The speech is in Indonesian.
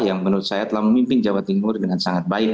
yang menurut saya telah memimpin jawa timur dengan sangat baik